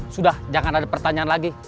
sudah jangan ada pertanyaan lagi